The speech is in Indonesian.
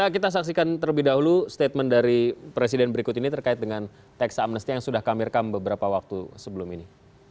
kita saksikan terlebih dahulu statement dari presiden berikut ini terkait dengan tax amnesty yang sudah kami rekam beberapa waktu sebelum ini